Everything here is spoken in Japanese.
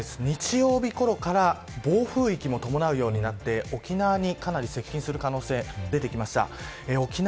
日曜日ごろから暴風域も伴うようになって、沖縄にかなり接近する可能性が出てきました。